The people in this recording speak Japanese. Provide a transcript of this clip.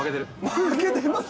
負けてます？